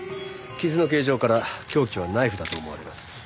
傷の形状から凶器はナイフだと思われます。